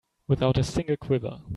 Without a single quiver.